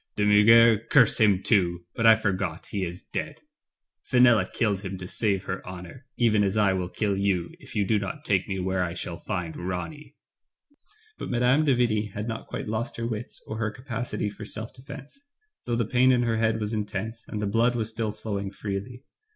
''De Miirger — curse him too — but I forgot, he is dead — Fenella killed him to save her honor, even as I will kill you, if you do not take me where I shall find Ronny. But Mme. de Vigny had not quite lost her wits, or her capacity for self defense, though the pain in her head was intense, and the blood was still flowing freely.